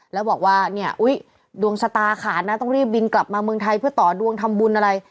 แล้วบอกว่าเนี่ยอุ๊ยดวงชะตาขาดนะต้องรีบบินกลับมาเมืองไทยเพื่อต่อดวงทำบุญอะไร